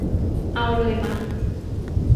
เอาเลยมะ ?